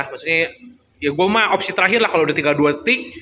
maksudnya ya gue mah opsi terakhir lah kalau udah tinggal dua detik